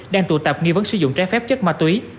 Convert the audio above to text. đang tụ tập nghi vấn sử dụng trái phép chất ma túy